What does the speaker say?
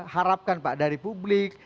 harapkan pak dari publik